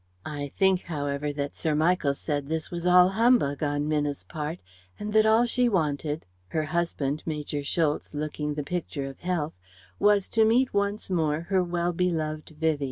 I think however that Sir Michael said this was all humbug on Minna's part, and that all she wanted her husband, Major Schultz, looking the picture of health was to meet once more her well beloved Vivie.